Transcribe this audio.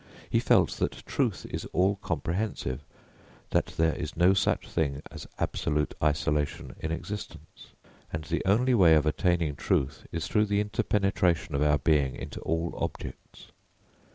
He felt that truth is all comprehensive, that there is no such thing as absolute isolation in existence, and the only way of attaining truth is through the interpenetration of our being into all objects.